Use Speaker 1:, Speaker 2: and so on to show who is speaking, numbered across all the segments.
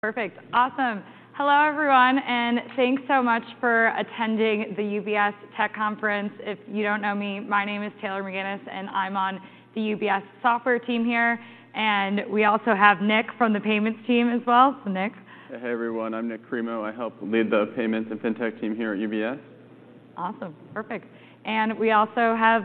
Speaker 1: Perfect. Awesome! Hello, everyone, and thanks so much for attending the UBS Tech Conference. If you don't know me, my name is Taylor McGinnis, and I'm on the UBS software team here, and we also have Nik from the payments team as well. So, Nik?
Speaker 2: Hey, everyone, I'm Nik Cremo. I help lead the payments and FinTech team here at UBS.
Speaker 1: Awesome. Perfect. And we also have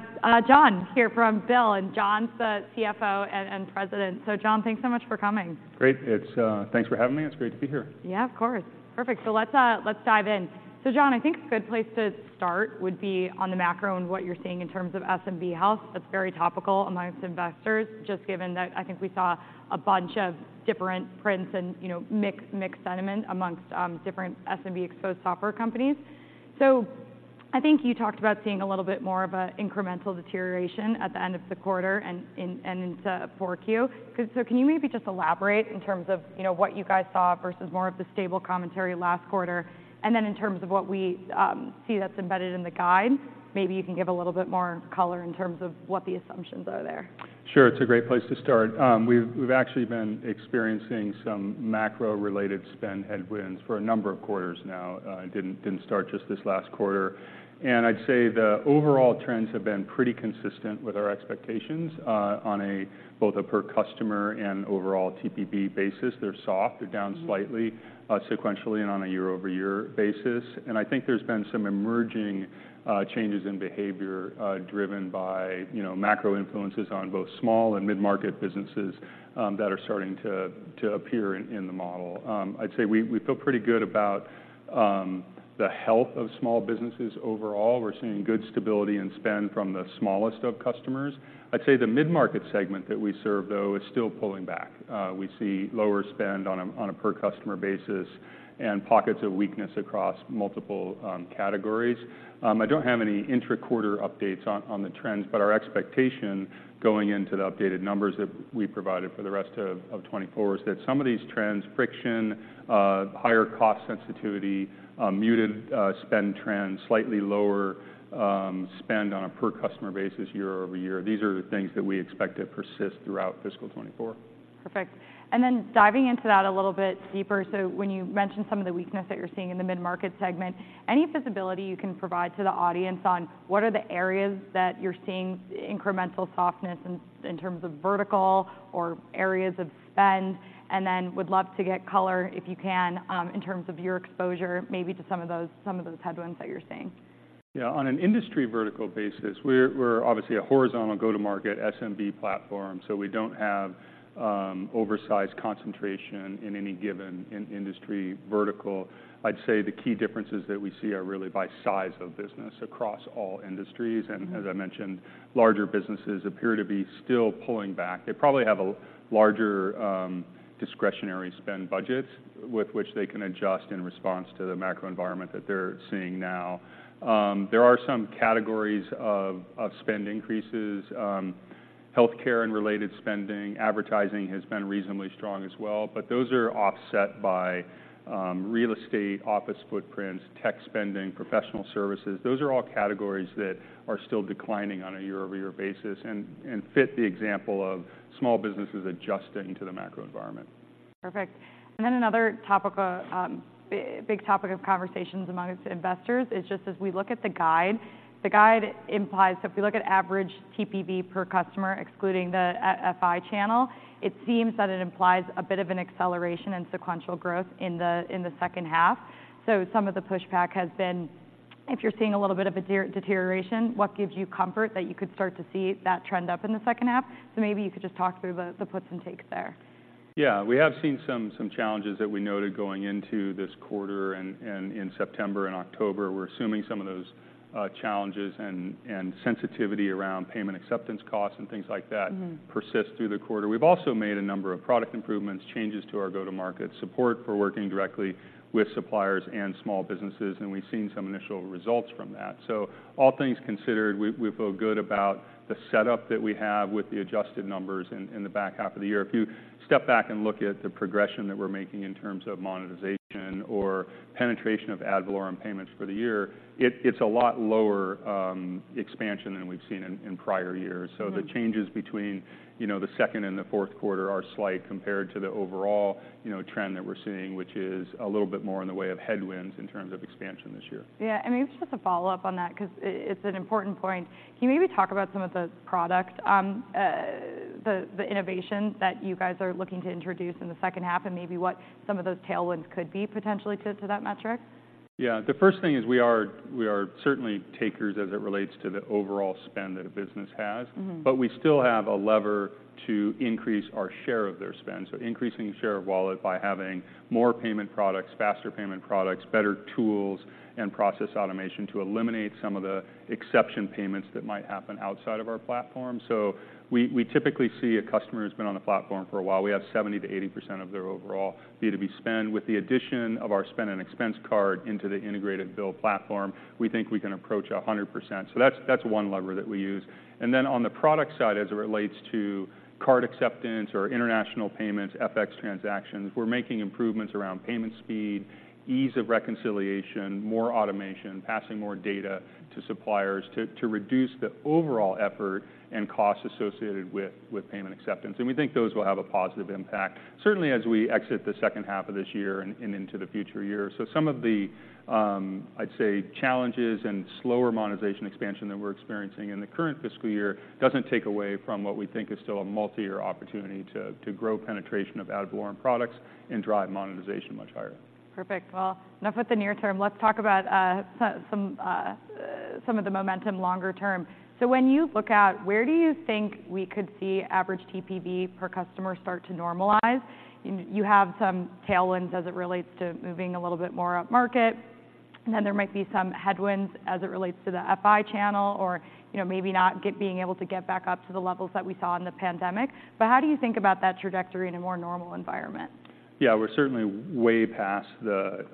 Speaker 1: John here from BILL, and John is the CFO and president. So John, thanks so much for coming.
Speaker 3: Great. It's... Thanks for having me. It's great to be here.
Speaker 1: Yeah, of course. Perfect. So let's dive in. So John, I think a good place to start would be on the macro and what you're seeing in terms of SMB health. That's very topical among investors, just given that I think we saw a bunch of different prints and, you know, mixed, mixed sentiment among different SMB-exposed software companies. So I think you talked about seeing a little bit more of a incremental deterioration at the end of the quarter and in and into 4Q. So can you maybe just elaborate in terms of, you know, what you guys saw versus more of the stable commentary last quarter? And then in terms of what we see that's embedded in the guide, maybe you can give a little bit more color in terms of what the assumptions are there.
Speaker 3: Sure, it's a great place to start. We've actually been experiencing some macro-related spend headwinds for a number of quarters now. It didn't start just this last quarter. And I'd say the overall trends have been pretty consistent with our expectations on both a per customer and overall TPV basis. They're soft, they're down slightly, sequentially and on a year-over-year basis. And I think there's been some emerging changes in behavior driven by, you know, macro influences on both small and mid-market businesses that are starting to appear in the model. I'd say we feel pretty good about the health of small businesses overall. We're seeing good stability and spend from the smallest of customers. I'd say the mid-market segment that we serve, though, is still pulling back. We see lower spend on a per customer basis, and pockets of weakness across multiple categories. I don't have any intra-quarter updates on the trends, but our expectation going into the updated numbers that we provided for the rest of 2024 is that some of these trends, friction, higher cost sensitivity, muted spend trends, slightly lower spend on a per customer basis year-over-year, these are the things that we expect to persist throughout fiscal 2024.
Speaker 1: Perfect. And then diving into that a little bit deeper, so when you mention some of the weakness that you're seeing in the mid-market segment, any visibility you can provide to the audience on what are the areas that you're seeing incremental softness in, in terms of vertical or areas of spend? And then would love to get color, if you can, in terms of your exposure, maybe to some of those, some of those headwinds that you're seeing.
Speaker 3: Yeah. On an industry vertical basis, we're obviously a horizontal go-to-market SMB platform, so we don't have oversized concentration in any given industry vertical. I'd say the key differences that we see are really by size of business across all industries.
Speaker 1: Mm-hmm.
Speaker 3: As I mentioned, larger businesses appear to be still pulling back. They probably have a larger discretionary spend budget with which they can adjust in response to the macro environment that they're seeing now. There are some categories of spend increases, healthcare and related spending. Advertising has been reasonably strong as well, but those are offset by real estate, office footprints, tech spending, professional services. Those are all categories that are still declining on a year-over-year basis and fit the example of small businesses adjusting to the macro environment.
Speaker 1: Perfect. And then another topic, big topic of conversations amongst investors is just as we look at the guide, the guide implies that if we look at average TPV per customer, excluding the FI channel, it seems that it implies a bit of an acceleration in sequential growth in the second half. So some of the pushback has been, if you're seeing a little bit of a deterioration, what gives you comfort that you could start to see that trend up in the second half? So maybe you could just talk through the puts and takes there.
Speaker 3: Yeah. We have seen some, some challenges that we noted going into this quarter and, and in September and October. We're assuming some of those, challenges and, and sensitivity around payment acceptance costs and things like that-
Speaker 1: Mm-hmm
Speaker 3: persist through the quarter. We've also made a number of product improvements, changes to our go-to-market support for working directly with suppliers and small businesses, and we've seen some initial results from that. So all things considered, we, we feel good about the setup that we have with the adjusted numbers in, in the back half of the year. If you step back and look at the progression that we're making in terms of monetization or penetration of ad valorem payments for the year, it, it's a lot lower, expansion than we've seen in, in prior years.
Speaker 1: Mm-hmm.
Speaker 3: So the changes between, you know, the second and the fourth quarter are slight compared to the overall, you know, trend that we're seeing, which is a little bit more in the way of headwinds in terms of expansion this year.
Speaker 1: Yeah, and maybe just a follow-up on that, 'cause it's an important point. Can you maybe talk about some of the products, the innovations that you guys are looking to introduce in the second half, and maybe what some of those tailwinds could be potentially to that metric?
Speaker 3: Yeah. The first thing is we are certainly takers as it relates to the overall spend that a business has.
Speaker 1: Mm-hmm.
Speaker 3: But we still have a lever to increase our share of their spend. So increasing share of wallet by having more payment products, faster payment products, better tools, and process automation to eliminate some of the exception payments that might happen outside of our platform. So we, we typically see a customer who's been on the platform for a while, we have 70%-80% of their overall B2B spend. With the addition of our spend and expense card into the integrated BILL platform, we think we can approach 100%. So that's, that's one lever that we use. And then on the product side, as it relates to card acceptance or international payments, FX transactions, we're making improvements around payment speed, ease of reconciliation, more automation, passing more data to suppliers, to, to reduce the overall effort and costs associated with, with payment acceptance. We think those will have a positive impact, certainly as we exit the second half of this year and into the future years. So some of the, I'd say, challenges and slower monetization expansion that we're experiencing in the current fiscal year doesn't take away from what we think is still a multi-year opportunity to grow penetration of ad valorem products and drive monetization much higher.
Speaker 1: Perfect. Well, enough with the near term, let's talk about some of the momentum longer term. So when you look out, where do you think we could see average TPV per customer start to normalize? You have some tailwinds as it relates to moving a little bit more upmarket and then there might be some headwinds as it relates to the FI channel, or, you know, maybe not being able to get back up to the levels that we saw in the pandemic. But how do you think about that trajectory in a more normal environment?
Speaker 3: Yeah, we're certainly way past the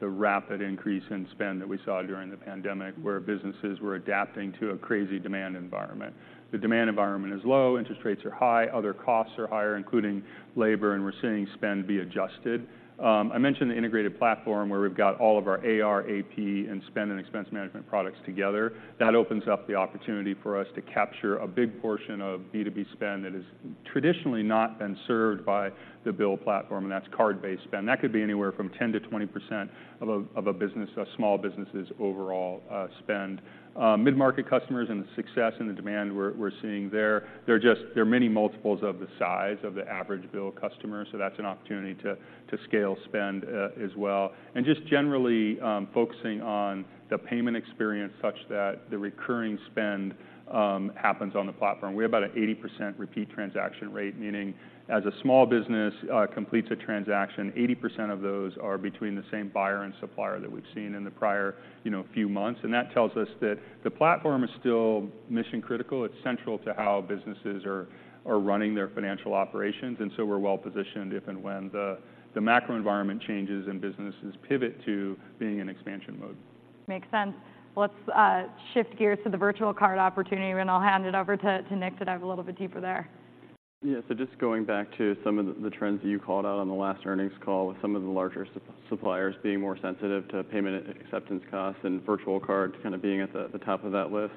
Speaker 3: rapid increase in spend that we saw during the pandemic, where businesses were adapting to a crazy demand environment. The demand environment is low, interest rates are high, other costs are higher, including labor, and we're seeing spend be adjusted. I mentioned the integrated platform, where we've got all of our AR, AP, and spend and expense management products together. That opens up the opportunity for us to capture a big portion of B2B spend that has traditionally not been served by the BILL platform, and that's card-based spend. That could be anywhere from 10%-20% of a, of a business, a small business's overall spend. Mid-market customers and the success and the demand we're seeing there, they're just many multiples of the size of the average BILL customer, so that's an opportunity to scale spend as well. And just generally focusing on the payment experience such that the recurring spend happens on the platform. We have about an 80% repeat transaction rate, meaning as a small business completes a transaction, 80% of those are between the same buyer and supplier that we've seen in the prior, you know, few months, and that tells us that the platform is still mission-critical. It's central to how businesses are running their financial operations, and so we're well positioned if and when the macro environment changes and businesses pivot to being in expansion mode.
Speaker 1: Makes sense. Let's shift gears to the virtual card opportunity, and I'll hand it over to Nik to dive a little bit deeper there.
Speaker 2: Yeah. So just going back to some of the trends that you called out on the last earnings call, with some of the larger suppliers being more sensitive to payment and acceptance costs and virtual cards kind of being at the top of that list.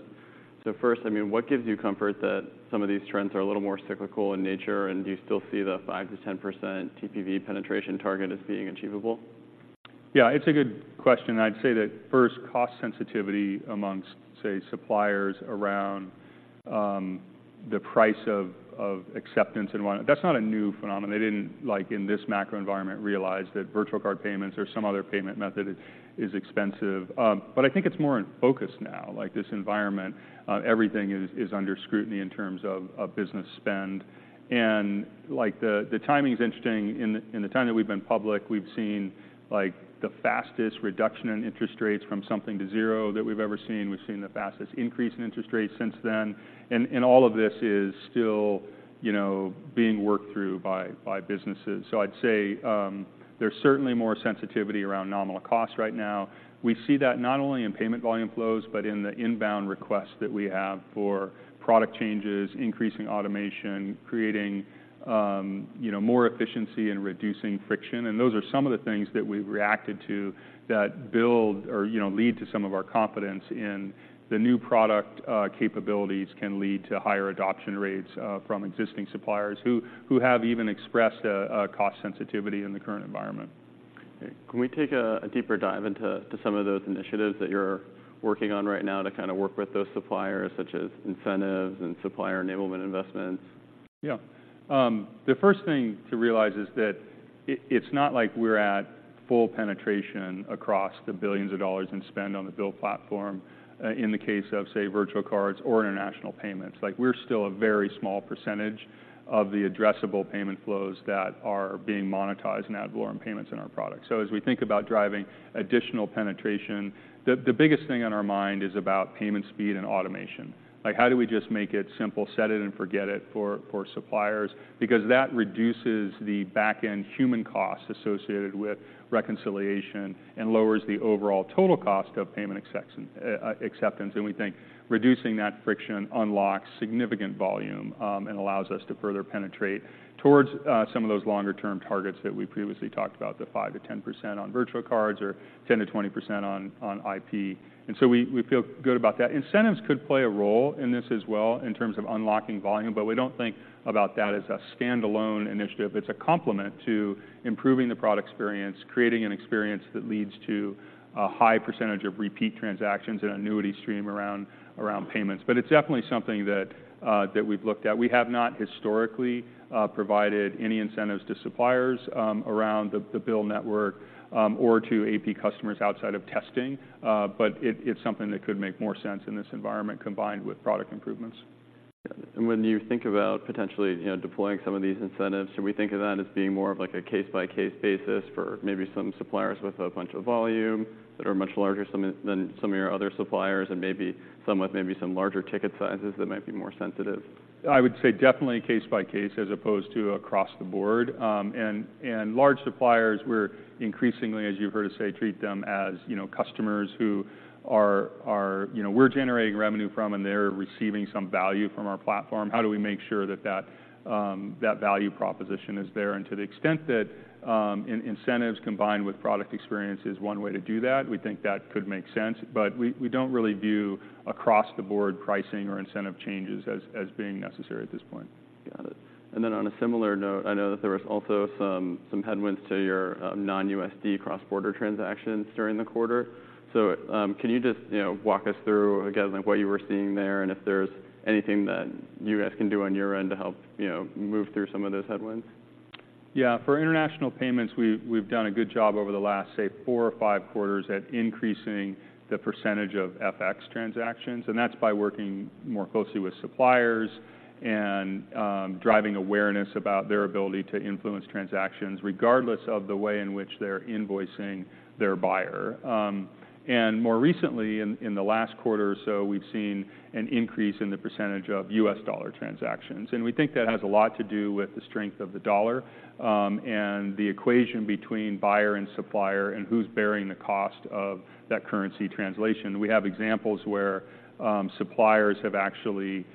Speaker 2: So first, I mean, what gives you comfort that some of these trends are a little more cyclical in nature, and do you still see the 5%-10% TPV penetration target as being achievable?
Speaker 3: Yeah, it's a good question, and I'd say that, first, cost sensitivity among, say, suppliers around the price of acceptance and whatnot, that's not a new phenomenon. They didn't, like, in this macro environment, realize that virtual card payments or some other payment method is expensive. But I think it's more in focus now. Like, this environment, everything is under scrutiny in terms of business spend. And like, the timing's interesting. In the time that we've been public, we've seen, like, the fastest reduction in interest rates from something to zero that we've ever seen. We've seen the fastest increase in interest rates since then, and all of this is still, you know, being worked through by businesses. So I'd say, there's certainly more sensitivity around nominal costs right now. We see that not only in payment volume flows, but in the inbound requests that we have for product changes, increasing automation, creating, you know, more efficiency and reducing friction, and those are some of the things that we've reacted to that build or, you know, lead to some of our confidence in the new product, capabilities can lead to higher adoption rates, from existing suppliers, who, who have even expressed a, a cost sensitivity in the current environment.
Speaker 2: Okay. Can we take a deeper dive into some of those initiatives that you're working on right now to kind of work with those suppliers, such as incentives and supplier enablement investments?
Speaker 3: Yeah. The first thing to realize is that it's not like we're at full penetration across the billions of dollars in spend on the BILL platform, in the case of, say, virtual cards or international payments. Like, we're still a very small percentage of the addressable payment flows that are being monetized in ad valorem payments in our product. So as we think about driving additional penetration, the biggest thing on our mind is about payment speed and automation. Like, how do we just make it simple, set it and forget it for suppliers? Because that reduces the back-end human costs associated with reconciliation and lowers the overall total cost of payment acceptance, and we think reducing that friction unlocks significant volume and allows us to further penetrate towards some of those longer-term targets that we previously talked about, the 5%-10% on virtual cards or 10%-20% on IP. And so we feel good about that. Incentives could play a role in this as well, in terms of unlocking volume, but we don't think about that as a standalone initiative. It's a complement to improving the product experience, creating an experience that leads to a high percentage of repeat transactions and annuity stream around payments. But it's definitely something that we've looked at. We have not historically provided any incentives to suppliers around the BILL network or to AP customers outside of testing, but it's something that could make more sense in this environment, combined with product improvements.
Speaker 2: When you think about potentially, you know, deploying some of these incentives, should we think of that as being more of like a case-by-case basis for maybe some suppliers with a bunch of volume, that are much larger than some of your other suppliers, and maybe some with maybe some larger ticket sizes that might be more sensitive?
Speaker 3: I would say definitely case by case, as opposed to across the board. And large suppliers, we're increasingly, as you've heard us say, treat them as, you know, customers who are. You know, we're generating revenue from, and they're receiving some value from our platform. How do we make sure that that value proposition is there? And to the extent that incentives combined with product experience is one way to do that, we think that could make sense, but we don't really view across-the-board pricing or incentive changes as being necessary at this point.
Speaker 2: Got it. And then on a similar note, I know that there was also some headwinds to your non-USD cross-border transactions during the quarter. So, can you just, you know, walk us through again, like, what you were seeing there, and if there's anything that you guys can do on your end to help, you know, move through some of those headwinds?
Speaker 3: Yeah, for international payments, we've done a good job over the last, say, four or five quarters at increasing the percentage of FX transactions, and that's by working more closely with suppliers and driving awareness about their ability to influence transactions, regardless of the way in which they're invoicing their buyer. And more recently, in the last quarter or so, we've seen an increase in the percentage of US dollar transactions. And we think that has a lot to do with the strength of the dollar and the equation between buyer and supplier and who's bearing the cost of that currency translation. We have examples where suppliers have actually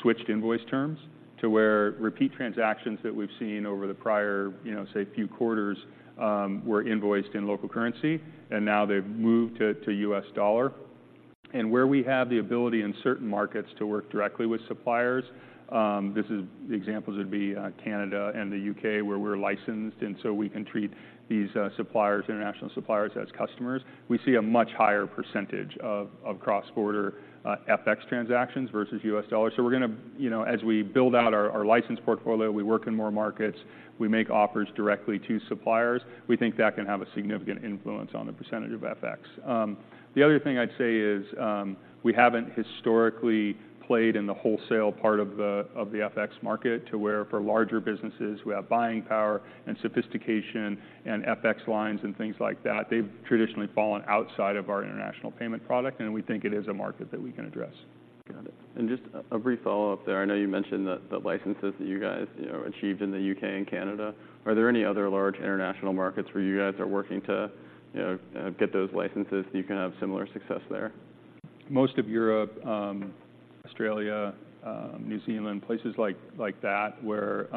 Speaker 3: switched invoice terms to where repeat transactions that we've seen over the prior, you know, say, few quarters were invoiced in local currency, and now they've moved to US dollar. And where we have the ability in certain markets to work directly with suppliers, these are the examples Canada and the UK, where we're licensed, and so we can treat these suppliers, international suppliers, as customers. We see a much higher percentage of cross-border FX transactions versus U.S. dollars. So we're gonna, you know, as we build out our license portfolio, we work in more markets, we make offers directly to suppliers, we think that can have a significant influence on the percentage of FX. The other thing I'd say is, we haven't historically played in the wholesale part of the FX market, to where for larger businesses who have buying power and sophistication and FX lines and things like that, they've traditionally fallen outside of our international payment product, and we think it is a market that we can address.
Speaker 2: Got it. And just a brief follow-up there. I know you mentioned the licenses that you guys, you know, achieved in the UK and Canada. Are there any other large international markets where you guys are working to, you know, get those licenses, so you can have similar success there?
Speaker 3: Most of Europe, Australia, New Zealand, places like that, where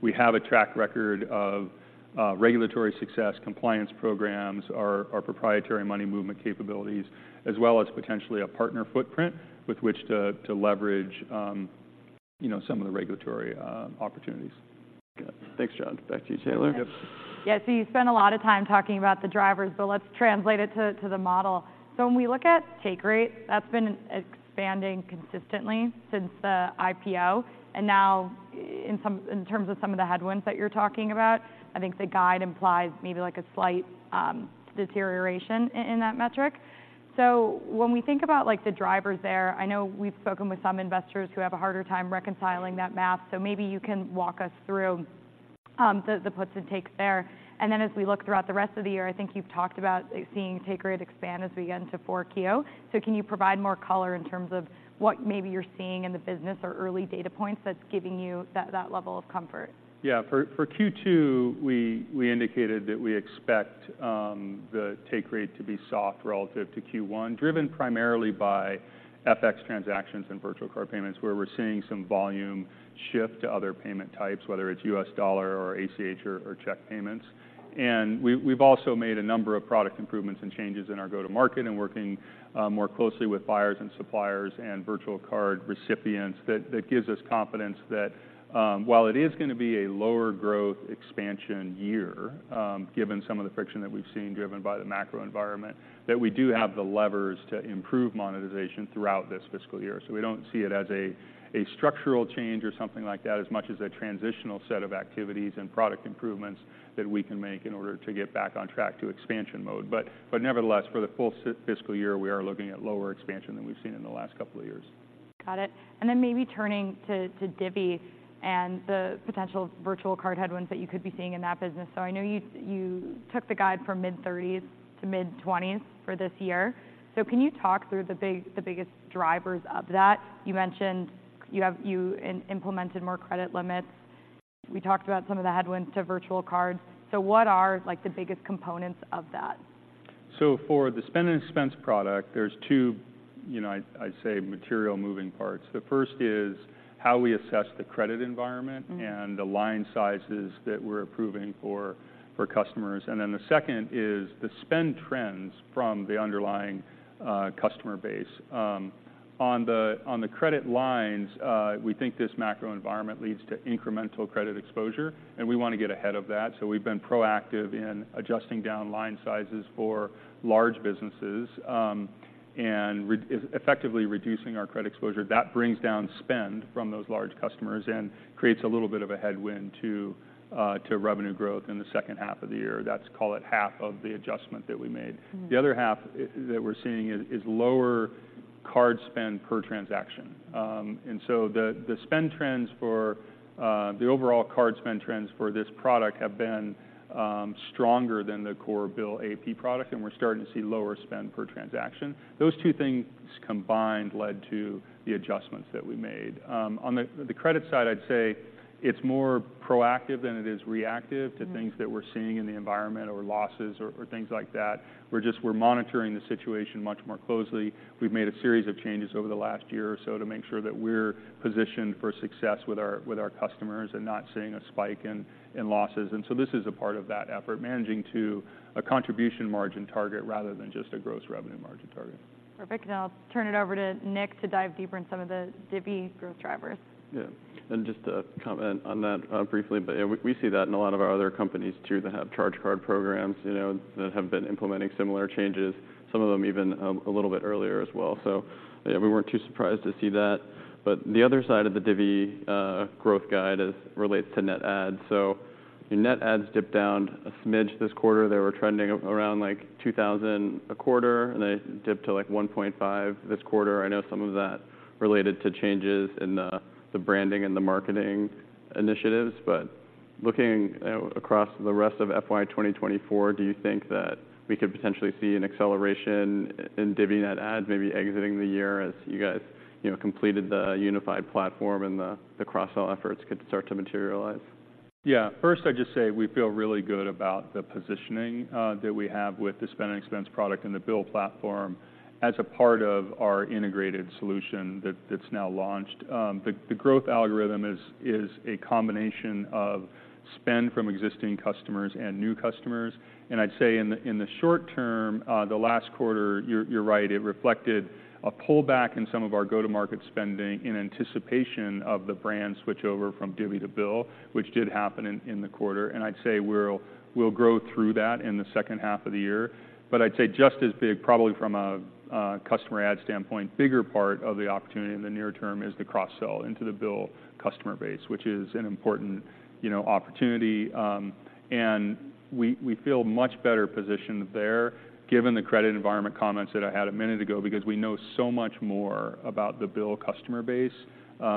Speaker 3: we have a track record of regulatory success, compliance programs, our proprietary money movement capabilities, as well as potentially a partner footprint with which to leverage, you know, some of the regulatory opportunities.
Speaker 2: Got it. Thanks, John. Back to you, Taylor.
Speaker 1: Yeah, so you spent a lot of time talking about the drivers, but let's translate it to the model. So when we look at take rate, that's been expanding consistently since the IPO, and now in terms of some of the headwinds that you're talking about, I think the guide implies maybe like a slight deterioration in that metric. So when we think about, like, the drivers there, I know we've spoken with some investors who have a harder time reconciling that math, so maybe you can walk us through the puts and takes there. And then, as we look throughout the rest of the year, I think you've talked about seeing take rate expand as we get into 4Q. Can you provide more color in terms of what maybe you're seeing in the business or early data points that's giving you that level of comfort?
Speaker 3: Yeah. For Q2, we indicated that we expect the take rate to be soft relative to Q1, driven primarily by FX transactions and virtual card payments, where we're seeing some volume shift to other payment types, whether it's U.S. dollar or ACH or check payments. And we've also made a number of product improvements and changes in our go-to-market and working more closely with buyers and suppliers and virtual card recipients. That gives us confidence that while it is gonna be a lower growth expansion year, given some of the friction that we've seen driven by the macro environment, that we do have the levers to improve monetization throughout this fiscal year. So we don't see it as a structural change or something like that, as much as a transitional set of activities and product improvements that we can make in order to get back on track to expansion mode. But nevertheless, for the full fiscal year, we are looking at lower expansion than we've seen in the last couple of years.
Speaker 1: Got it. And then maybe turning to Divvy and the potential virtual card headwinds that you could be seeing in that business. So I know you took the guide from mid-30s to mid-20s for this year. So can you talk through the biggest drivers of that? You mentioned you have implemented more credit limits. We talked about some of the headwinds to virtual cards. So what are, like, the biggest components of that?
Speaker 3: So for the Spend and Expense product, there's two, you know, I'd, I'd say, material moving parts. The first is how we assess the credit environment.
Speaker 1: Mm-hmm.
Speaker 3: And the line sizes that we're approving for customers, and then the second is the spend trends from the underlying customer base. On the credit lines, we think this macro environment leads to incremental credit exposure, and we want to get ahead of that, so we've been proactive in adjusting down line sizes for large businesses, and effectively reducing our credit exposure. That brings down spend from those large customers and creates a little bit of a headwind to revenue growth in the second half of the year. That's, call it, half of the adjustment that we made.
Speaker 1: Mm-hmm.
Speaker 3: The other half that we're seeing is lower card spend per transaction. And so the spend trends for the overall card spend trends for this product have been stronger than the core BILL AP product, and we're starting to see lower spend per transaction. Those two things combined led to the adjustments that we made. On the credit side, I'd say it's more proactive than it is reactive.
Speaker 1: Mm-hmm.
Speaker 3: to things that we're seeing in the environment or losses or, or things like that. We're just, we're monitoring the situation much more closely. We've made a series of changes over the last year or so to make sure that we're positioned for success with our, with our customers and not seeing a spike in, in losses. And so this is a part of that effort, managing to a contribution margin target rather than just a gross revenue margin target.
Speaker 1: Perfect. And I'll turn it over to Nik to dive deeper in some of the Divvy growth drivers.
Speaker 2: Yeah, and just to comment on that, briefly, but yeah, we see that in a lot of our other companies, too, that have charge card programs, you know, that have been implementing similar changes, some of them even a little bit earlier as well. So yeah, we weren't too surprised to see that. But the other side of the Divvy growth guide is relates to net adds. So your net adds dipped down a smidge this quarter. They were trending around, like, 2,000 a quarter, and they dipped to, like, 1.5 this quarter. I know some of that related to changes in the branding and the marketing initiatives, but... looking across the rest of FY 2024, do you think that we could potentially see an acceleration in Divvy net adds, maybe exiting the year as you guys, you know, completed the unified platform and the cross-sell efforts could start to materialize?
Speaker 3: Yeah. First, I'd just say we feel really good about the positioning that we have with the Spend and Expense product and the BILL platform as a part of our integrated solution that's now launched. The growth algorithm is a combination of spend from existing customers and new customers. And I'd say in the short term, the last quarter, you're right, it reflected a pullback in some of our go-to-market spending in anticipation of the brand switch over from Divvy to BILL, which did happen in the quarter. And I'd say we'll grow through that in the second half of the year. But I'd say just as big, probably from a customer add standpoint, bigger part of the opportunity in the near term is the cross-sell into the BILL customer base, which is an important, you know, opportunity. We, we feel much better positioned there, given the credit environment comments that I had a minute ago, because we know so much more about the BILL customer base.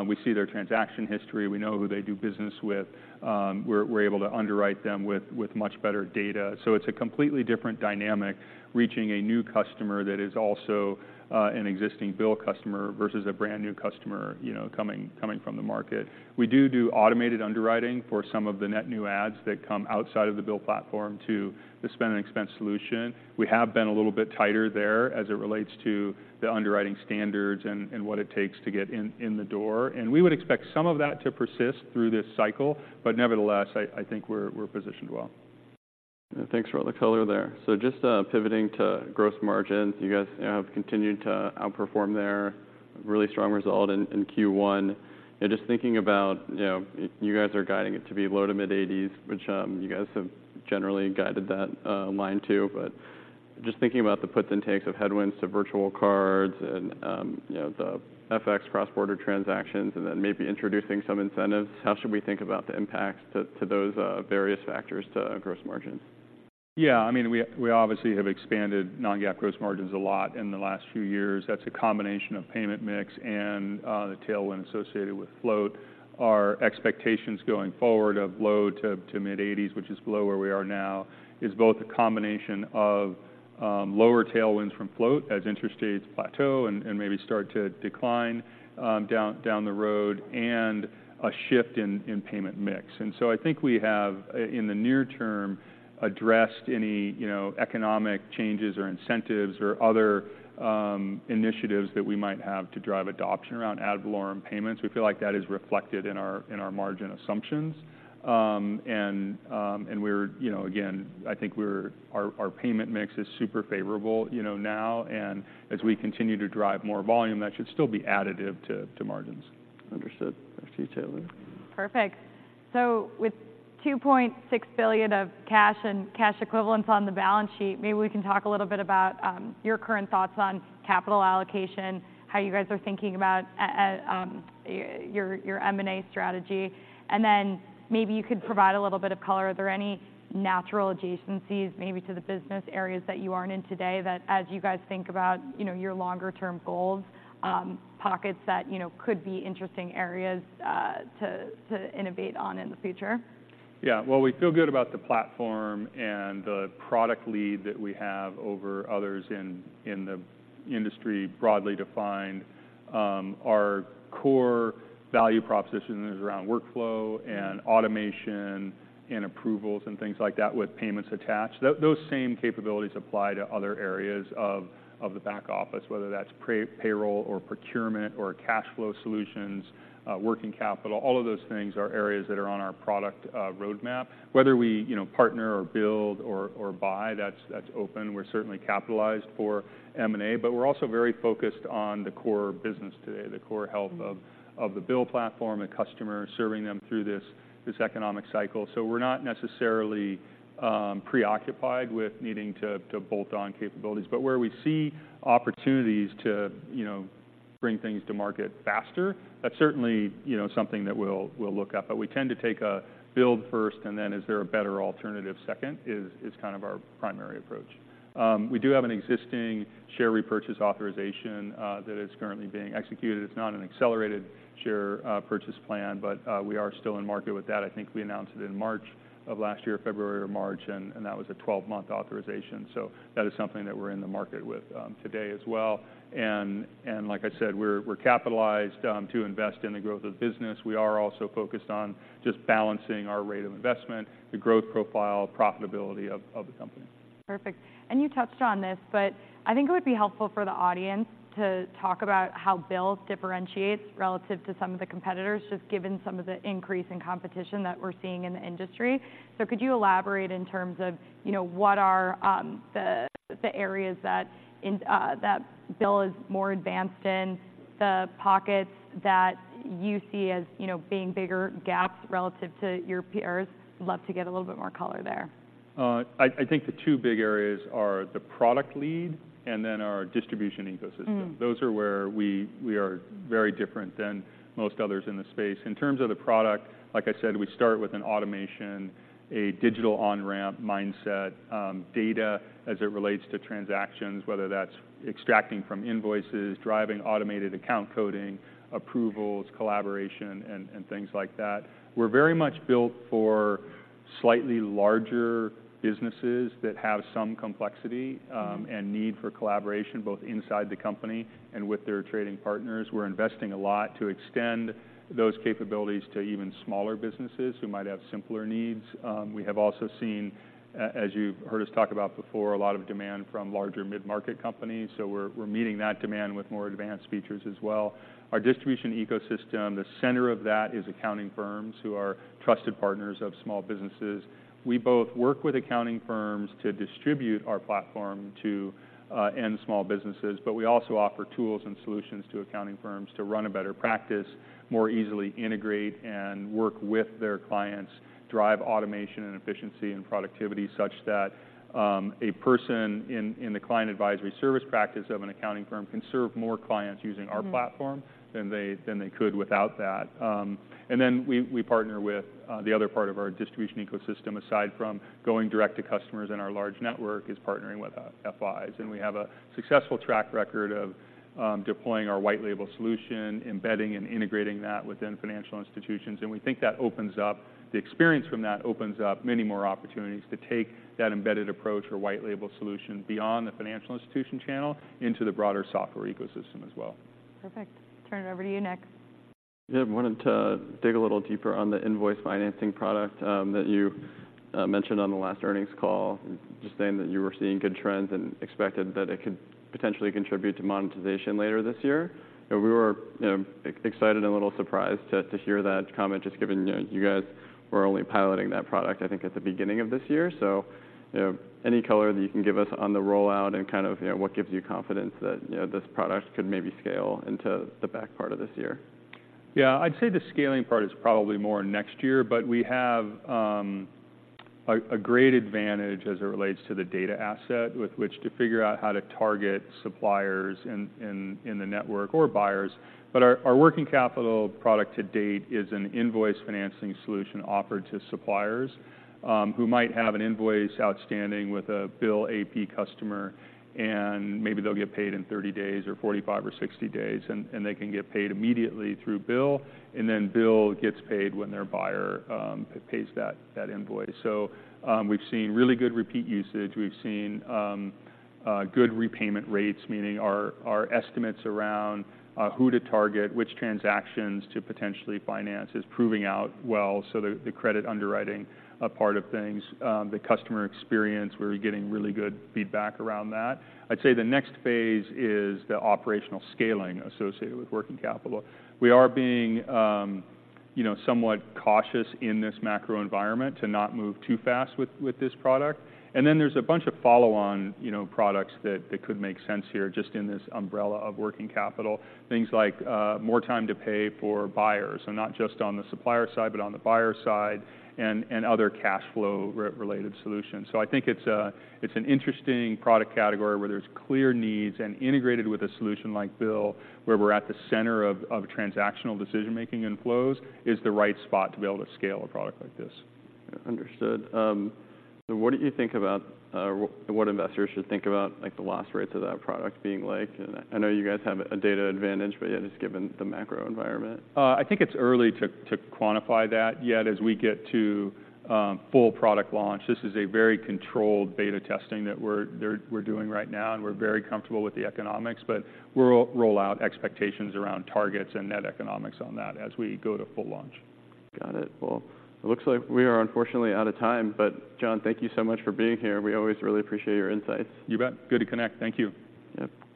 Speaker 3: We see their transaction history, we know who they do business with, we're, we're able to underwrite them with, with much better data. So it's a completely different dynamic, reaching a new customer that is also, an existing BILL customer versus a brand-new customer, you know, coming, coming from the market. We do do automated underwriting for some of the net new adds that come outside of the BILL platform to the Spend and Expense solution. We have been a little bit tighter there as it relates to the underwriting standards and, and what it takes to get in, in the door. And we would expect some of that to persist through this cycle, but nevertheless, I think we're positioned well.
Speaker 2: Thanks for all the color there. Just pivoting to gross margins. You guys, you know, have continued to outperform there. Really strong result in Q1. Just thinking about, you know, you guys are guiding it to be low to mid-80s%, which you guys have generally guided that line too. But just thinking about the puts and takes of headwinds to virtual cards and, you know, the FX cross-border transactions, and then maybe introducing some incentives, how should we think about the impacts to those various factors to gross margins?
Speaker 3: Yeah, I mean, we obviously have expanded non-GAAP gross margins a lot in the last few years. That's a combination of payment mix and the tailwind associated with float. Our expectations going forward of low- to mid-80s%, which is below where we are now, is both a combination of lower tailwinds from float as interest rates plateau and maybe start to decline down the road, and a shift in payment mix. And so I think we have in the near term addressed any, you know, economic changes or incentives or other initiatives that we might have to drive adoption around ad valorem payments. We feel like that is reflected in our margin assumptions. And, you know, again, I think our payment mix is super favorable, you know, now, and as we continue to drive more volume, that should still be additive to margins.
Speaker 2: Understood. Back to you, Taylor.
Speaker 1: Perfect. So with $2.6 billion of cash and cash equivalents on the balance sheet, maybe we can talk a little bit about, your current thoughts on capital allocation, how you guys are thinking about, your, your M&A strategy. And then maybe you could provide a little bit of color. Are there any natural adjacencies, maybe to the business areas that you aren't in today, that as you guys think about, you know, your longer term goals, pockets that, you know, could be interesting areas, to, to innovate on in the future?
Speaker 3: Yeah. Well, we feel good about the platform and the product lead that we have over others in the industry, broadly defined. Our core value proposition is around workflow and automation and approvals and things like that with payments attached. Those same capabilities apply to other areas of the back office, whether that's payroll or procurement or cash flow solutions, working capital. All of those things are areas that are on our product roadmap. Whether we, you know, partner or build or buy, that's, that's open. We're certainly capitalized for M&A, but we're also very focused on the core business today, the core health of the BILL platform and customer, serving them through this, this economic cycle. So we're not necessarily preoccupied with needing to bolt on capabilities, but where we see opportunities to, you know, bring things to market faster, that's certainly, you know, something that we'll look at. But we tend to take a build first, and then is there a better alternative second, is kind of our primary approach. We do have an existing share repurchase authorization that is currently being executed. It's not an accelerated share purchase plan, but we are still in market with that. I think we announced it in March of last year, February or March, and that was a twelve-month authorization. So that is something that we're in the market with today as well. And like I said, we're capitalized to invest in the growth of the business. We are also focused on just balancing our rate of investment, the growth profile, profitability of the company.
Speaker 1: Perfect. And you touched on this, but I think it would be helpful for the audience to talk about how BILL differentiates relative to some of the competitors, just given some of the increase in competition that we're seeing in the industry. So could you elaborate in terms of, you know, what are the areas that in that BILL is more advanced in, the pockets that you see as, you know, being bigger gaps relative to your peers? Love to get a little bit more color there.
Speaker 3: I think the two big areas are the product lead and then our distribution ecosystem.
Speaker 1: Mm.
Speaker 3: Those are where we, we are very different than most others in the space. In terms of the product, like I said, we start with an automation, a digital on-ramp mindset, data as it relates to transactions, whether that's extracting from invoices, driving automated account coding, approvals, collaboration, and, and things like that. We're very much built for slightly larger businesses that have some complexity, and need for collaboration, both inside the company and with their trading partners. We're investing a lot to extend those capabilities to even smaller businesses who might have simpler needs. We have also seen, as you've heard us talk about before, a lot of demand from larger mid-market companies, so we're, we're meeting that demand with more advanced features as well. Our distribution ecosystem, the center of that is accounting firms who are trusted partners of small businesses. We both work with accounting firms to distribute our platform to end small businesses, but we also offer tools and solutions to accounting firms to run a better practice, more easily integrate and work with their clients, drive automation and efficiency and productivity, such that a person in the client advisory service practice of an accounting firm can serve more clients using our-
Speaker 1: Mm-hmm
Speaker 3: -platform than they could without that. And then we partner with the other part of our distribution ecosystem, aside from going direct to customers in our large network, is partnering with FIs. And we have a successful track record of deploying our white label solution, embedding and integrating that within financial institutions, and we think that opens up... the experience from that opens up many more opportunities to take that embedded approach or white label solution beyond the financial institution channel into the broader software ecosystem as well.
Speaker 1: Perfect. Turn it over to you, Nik.
Speaker 2: Yeah, I wanted to dig a little deeper on the invoice financing product that you mentioned on the last earnings call. Just saying that you were seeing good trends and expected that it could potentially contribute to monetization later this year. So we were, you know, excited and a little surprised to hear that comment, just given, you know, you guys were only piloting that product, I think, at the beginning of this year. So, you know, any color that you can give us on the rollout and kind of, you know, what gives you confidence that, you know, this product could maybe scale into the back part of this year?
Speaker 3: Yeah, I'd say the scaling part is probably more next year, but we have a great advantage as it relates to the data asset, with which to figure out how to target suppliers in the network, or buyers. But our working capital product to date is an invoice financing solution offered to suppliers, who might have an invoice outstanding with a BILL AP customer, and maybe they'll get paid in 30 days, or 45 or 60 days, and they can get paid immediately through BILL, and then BILL gets paid when their buyer pays that invoice. So, we've seen really good repeat usage. We've seen good repayment rates, meaning our estimates around who to target, which transactions to potentially finance, is proving out well. So the credit underwriting part of things, the customer experience, we're getting really good feedback around that. I'd say the next phase is the operational scaling associated with working capital. We are being, you know, somewhat cautious in this macro environment to not move too fast with this product. And then there's a bunch of follow-on, you know, products that could make sense here, just in this umbrella of working capital. Things like, more time to pay for buyers, so not just on the supplier side, but on the buyer side, and other cash flow related solutions. So I think it's an interesting product category where there's clear needs, and integrated with a solution like BILL, where we're at the center of transactional decision-making and flows, is the right spot to be able to scale a product like this.
Speaker 2: Understood. So what do you think about what investors should think about, like, the loss rates of that product being like? I know you guys have a data advantage, but yet, just given the macro environment.
Speaker 3: I think it's early to quantify that yet, as we get to full product launch. This is a very controlled beta testing that we're doing right now, and we're very comfortable with the economics, but we'll roll out expectations around targets and net economics on that as we go to full launch.
Speaker 2: Got it. Well, it looks like we are unfortunately out of time, but John, thank you so much for being here. We always really appreciate your insights.
Speaker 3: You bet. Good to connect. Thank you.
Speaker 2: Yep.